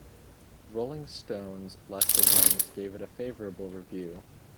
"Rolling Stone"'s Lester Bangs gave it a favorable review.